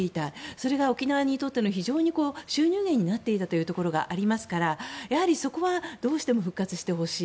それが沖縄にとっての非常に収入源になっていたところがありますからやはり、そこはどうしても復活してほしい。